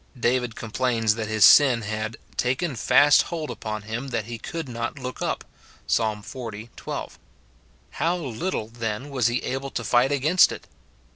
David complains that his sin had "taken fast hold upon him, that he could not look up," Psa. xl. 12. How little, then, was he able to fight against it